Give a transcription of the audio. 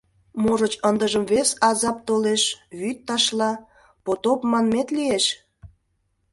Можыч, ындыжым вес азап толеш: вӱд ташла, потоп манмет лиеш?